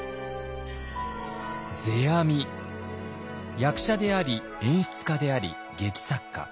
役者であり演出家であり劇作家。